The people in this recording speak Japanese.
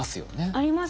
ありますね。